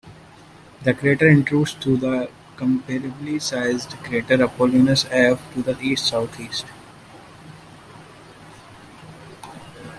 The crater intrudes into the comparably sized crater Apollonius F to the east-southeast.